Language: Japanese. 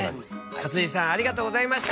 勝地さんありがとうございました。